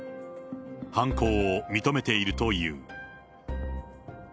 犯行を認めているという。